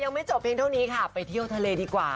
ยังไม่จบเพียงเท่านี้ค่ะไปเที่ยวทะเลดีกว่า